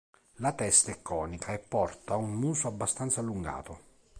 La testa è conica e porta un muso abbastanza allungato.